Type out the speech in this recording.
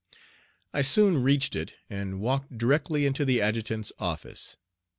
I soon reached it, and walked directly into the adjutant's office.